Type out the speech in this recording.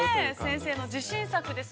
◆先生の自信作です。